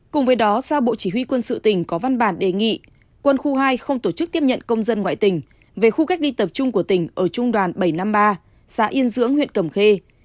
cùng với đó sau bộ chỉ huy quân sự tỉnh có văn bản đề nghị quân khu hai không tổ chức tiếp nhận công dân ngoại tỉnh về khu cách ly tập trung của tỉnh ở trung đoàn bảy trăm năm mươi ba xã yên dưỡng huyện cầm khê